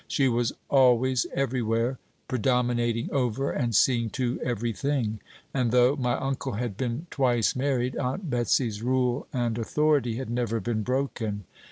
She was always every where, predominating over and seeing to every thing; and though my uncle had been twice married, Aunt Betsey's rule and authority had never been broken.